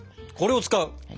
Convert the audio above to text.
これを使う？